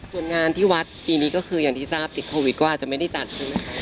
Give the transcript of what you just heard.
ส่วนงานที่วัดปีนี้ก็คืออย่างที่ทราบติดโควิดก็อาจจะไม่ได้จัดใช่ไหมคะ